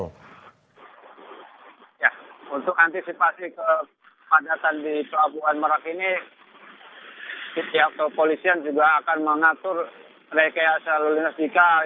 ya untuk antisipasi kepadatan di pelabuhan merak ini